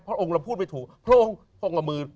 พระองค์เราพูดไม่ถูกพระองค์พระองค์กล้มมือ